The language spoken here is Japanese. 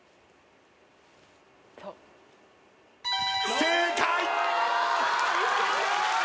正解！